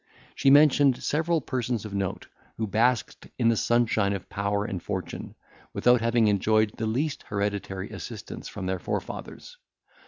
She mentioned several persons of note, who basked in the sunshine of power and fortune, without having enjoyed the least hereditary assistance from their forefathers.